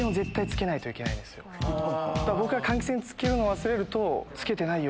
僕が換気扇つけるの忘れるとつけてないよ！